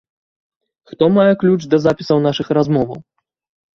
Хто мае ключ да запісаў нашых размоваў?